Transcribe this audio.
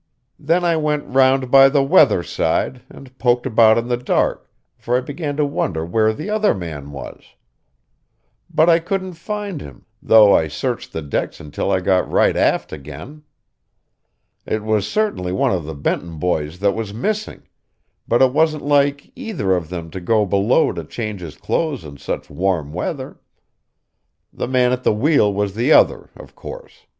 Then I went round by the weather side, and poked about in the dark, for I began to wonder where the other man was. But I couldn't find him, though I searched the decks until I got right aft again. It was certainly one of the Benton boys that was missing, but it wasn't like either of them to go below to change his clothes in such warm weather. The man at the wheel was the other, of course.